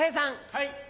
はい。